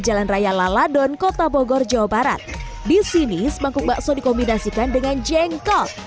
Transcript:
jalan raya laladon kota bogor jawa barat disini semangkuk bakso dikombinasikan dengan jengkol